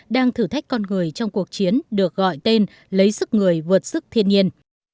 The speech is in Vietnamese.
đang thử thách con người trong cuộc chiến được gọi tên lấy sức người vượt sức thiên nhiên